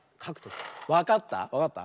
わかった？